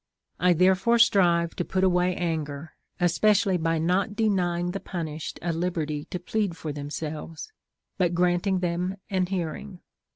I therefore strive to put away anger, especially by not denying the punished a liberty to plead for them selves, but granting them an hearing.